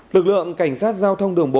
lực lượng cảnh sát giao thông